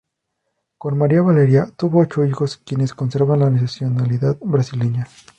Con María Valeria tuvo ocho hijos, quienes conservan la nacionalidad brasileña.